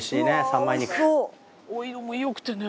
お色も良くてね。